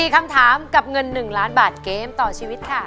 ๔คำถามกับเงิน๑ล้านบาทเกมต่อชีวิตค่ะ